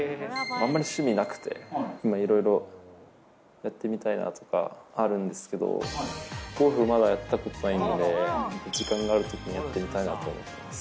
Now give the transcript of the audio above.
あんまり趣味なくて、今いろいろやってみたいなとか、あるんですけど、ゴルフまだやったことないんで、時間があるときに、やってみたいなと思ってます。